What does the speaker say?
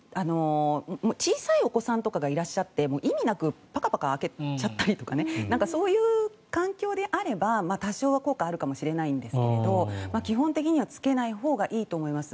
小さいお子さんとかがいらっしゃって意味なくパカパカ開けちゃったりとかそういう環境でありますが多少は効果があるかもしれないですが基本的にはつけないほうがいいと思います。